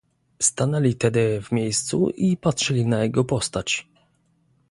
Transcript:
"Stanęli tedy w miejscu i patrzeli na jego postać."